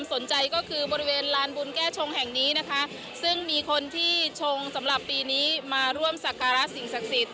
ซึ่งมีคนที่ชงสำหรับปีนี้มาร่วมสังกราชสิงศักดิ์สิทธิ์